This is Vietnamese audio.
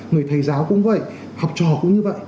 người thầy giáo cũng vậy học trò cũng như vậy